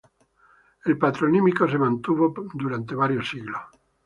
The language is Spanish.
El patronímico se mantuvo por varios siglos.